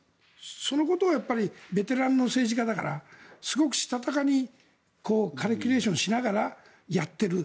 そのことをベテランの政治家だからすごくしたたかにカリキュレーションしながらやっている。